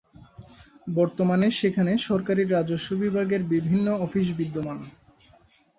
বর্তমানে সেখানে সরকারি রাজস্ব বিভাগের বিভিন্ন অফিস বিদ্যমান।